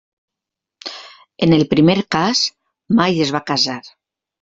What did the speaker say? En el primer cas, mai es va casar.